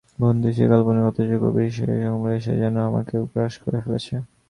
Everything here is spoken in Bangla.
বন্ধুর সেই কাল্পনিক অথচ গভীর সেই সংস্পকারগুলো এসে যেন আমাকেও গ্রাস করে ফেলছে।